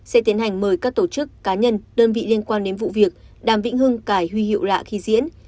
sẽ tiến hành mời các tổ chức cá nhân đơn vị liên quan đến vụ việc đàm vĩnh hưng cải huy hiệu lạ khi diễn